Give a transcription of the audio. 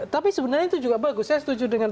tapi sebenarnya itu juga bagus saya setuju dengan